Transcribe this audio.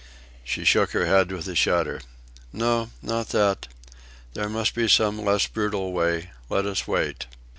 She shook her head with a shudder. "No, not that. There must be some less brutal way. Let us wait."